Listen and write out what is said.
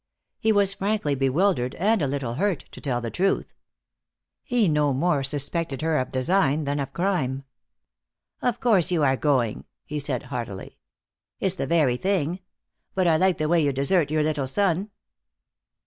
He was frankly bewildered and a little hurt, to tell the truth. He no more suspected her of design than of crime. "Of course you are going," he said, heartily. "It's the very thing. But I like the way you desert your little son!"